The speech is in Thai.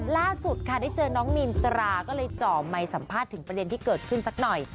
ล่าสุดค่ะได้เจอน้องมีนตราก็เลยจ่อไมค์สัมภาษณ์ถึงประเด็นที่เกิดขึ้นสักหน่อย